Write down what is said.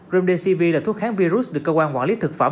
remdcv là thuốc kháng virus được cơ quan quản lý thực phẩm